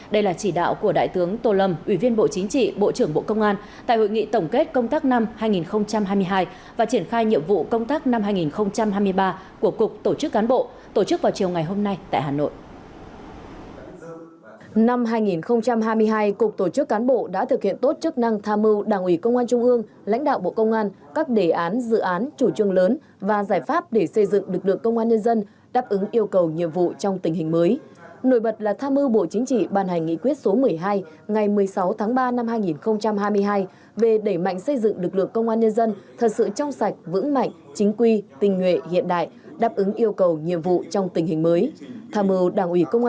đây là chỉ đạo của đại tướng tô lâm ủy viên bộ chính trị bộ trưởng bộ công an tại hội nghị tổ chức cán bộ tổ chức vào chiều ngày hôm nay tại hội nghị tổ chức cán bộ tổ chức vào chiều ngày hôm nay tại hội nghị tổ chức cán bộ tổ chức vào chiều ngày hôm nay tại hội nghị tổ chức cán bộ